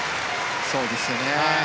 そうですね。